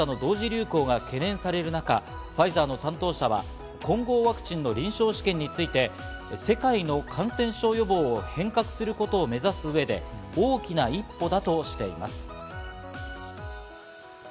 流行が懸念される中、ファイザーの担当者は混合ワクチンの臨床試験について、世界の感染症予防を変革することを目指す上で大きな一歩だとしています。